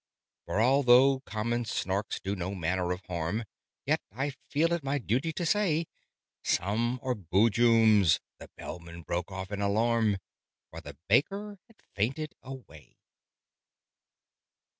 "For, although common Snarks do no manner of harm, Yet, I feel it my duty to say, Some are Boojums " The Bellman broke off in alarm, For the Baker had fainted away.